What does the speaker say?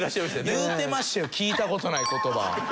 言うてましたよ聞いた事ない言葉。